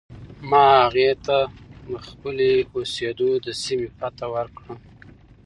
ما هغې ته د خپلې اوسېدو د سیمې پته ورکړه.